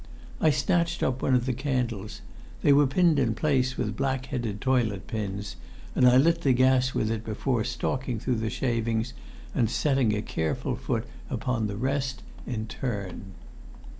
I snatched up one of the candles they were pinned in place with black headed toilet pins and I lit the gas with it before stalking through the shavings and setting a careful foot upon the rest in turn.